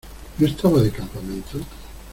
¿ No estaba de campamento?